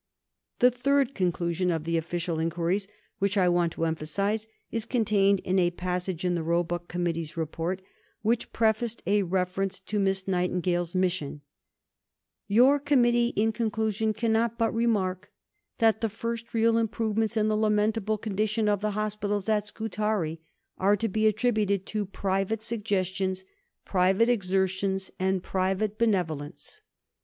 The third conclusion of the official inquiries, which I want to emphasize, is contained in a passage in the Roebuck Committee's Report, which prefaced a reference to Miss Nightingale's mission: "Your Committee in conclusion cannot but remark that the first real improvements in the lamentable condition of the hospitals at Scutari are to be attributed to private suggestions, private exertions, and private benevolence."